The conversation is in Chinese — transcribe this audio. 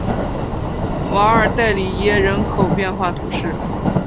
瓦尔代里耶人口变化图示